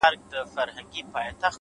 ته له قلف دروازې’ یو خروار بار باسه’